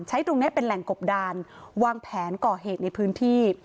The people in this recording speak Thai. ตรงนี้เป็นแหล่งกบดานวางแผนก่อเหตุในพื้นที่